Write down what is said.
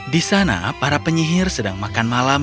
disana para penyihir sedang makan malam